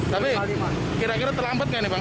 tapi kira kira terlambat nggak nih bang